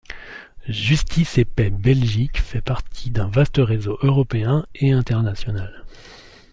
Justice et Paix Belgique fait partie d’un vaste réseau européen et international.